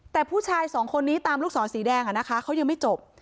แต่ผู้ชายสองคนนี้ตามลูกศรสีแดงอะนะคะเขายังไม่จบ